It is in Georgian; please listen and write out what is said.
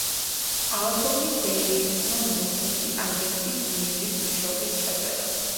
ალბომი დეივისმა მოხუცი აგენტის, მელის მეშვეობით ჩაწერა.